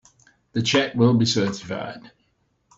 The check will be certified.